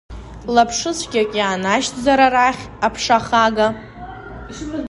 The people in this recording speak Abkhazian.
Лаԥшыцәгьак иаанашьҭзар арахь, аԥша хага?